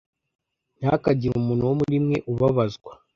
Ntihakagire umuntu wo muri mwe ubabazwa,